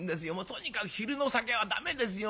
とにかく昼の酒は駄目ですよまだ。